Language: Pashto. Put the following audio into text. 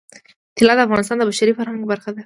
طلا د افغانستان د بشري فرهنګ برخه ده.